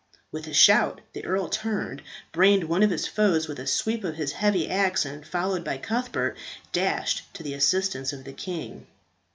With a shout the earl turned, brained one of his foes with a sweep of his heavy axe, and, followed by Cuthbert, dashed to the assistance of the king.